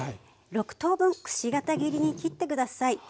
６等分くし形切りに切って下さい。